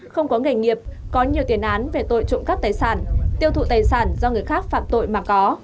không có nghề nghiệp có nhiều tiền án về tội trộm cắp tài sản tiêu thụ tài sản do người khác phạm tội mà có